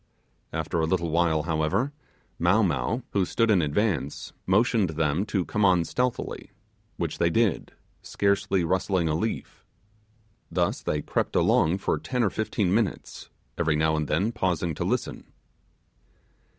After a little while, however, Mow Mow, who stood in advance, motioned them to come on stealthily, which they did, scarcely rustling a leaf. Thus they crept along for ten or fifteen minutes, every now and then pausing to listen.